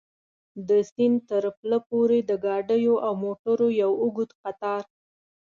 د سیند تر پله پورې د ګاډیو او موټرو یو اوږد کتار.